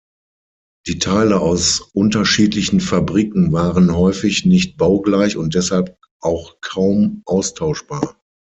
Die Teile aus unterschiedlichen Fabriken waren häufig nicht baugleich und deshalb auch kaum austauschbar.